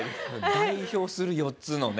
代表する４つのね。